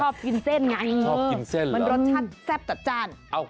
ชอบกินเส้นไงมันรสชาติแซ่บตัดจ้าน